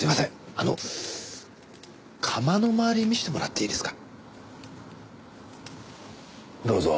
あの窯の中見せてもらっていいですか？